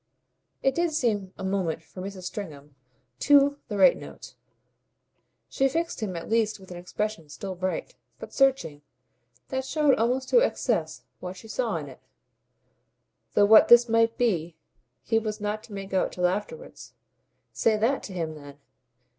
It did seem a moment for Mrs. Stringham too the right note. She fixed him at least with an expression still bright, but searching, that showed almost to excess what she saw in it; though what this might be he was not to make out till afterwards. "Say THAT to him then.